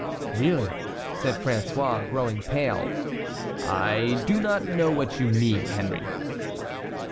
"Really," said François, growing pale, "I do not know what you mean, Henry."